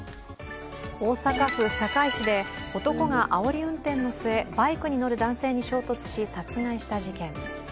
大阪府堺市で男があおり運転の末バイクに乗る男性に衝突し殺害した事件。